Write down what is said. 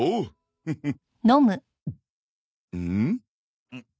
フフフッ。